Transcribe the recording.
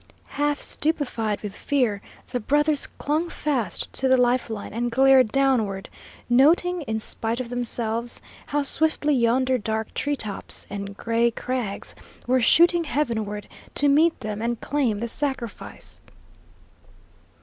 Half stupefied with fear, the brothers clung fast to the life line and glared downward, noting, in spite of themselves, how swiftly yonder dark tree tops and gray crags were shooting heavenward to meet them and claim the sacrifice.